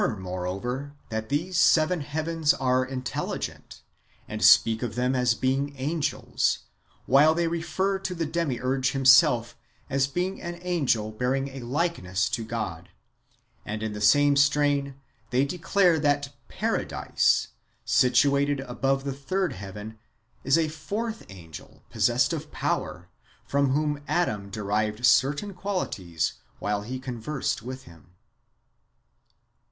moreover, that these seven heavens are intelhgent, and speak of them as being angels, while they refer to the Demiurge himself as being an angel bearing a likeness to God ; and in the same strain, they declare that Paradise, situated above the third heaven, is a fourth angel possessed of power, from whom Adam derived certain qualities while he conversed with him.